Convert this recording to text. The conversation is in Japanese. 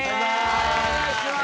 お願いします。